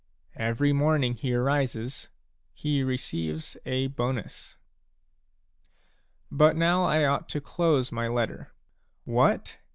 every morning he arises he receives a bonus. But now I ought to close my letter. " What ?